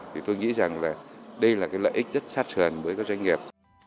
thì tôi nghĩ rằng là đây là cái lợi ích rất sát sườn với các doanh nghiệp